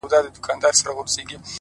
پوهه د ذهن بندې دروازې ماتوي.!